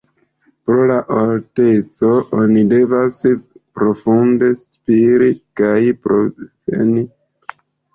Pro la alteco oni devas profunde spiri kaj promeni malrapide.